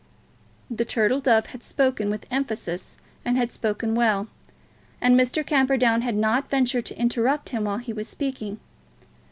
The Turtle Dove had spoken with emphasis and had spoken well, and Mr. Camperdown had not ventured to interrupt him while he was speaking.